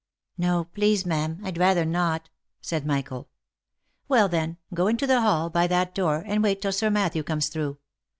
" No, please ma'am, I'd rather not," said Michael. 76 THE LIFE AND ADVENTURES " Well, then, go into the hall, by that door, and wait till Sir Matthew comes through.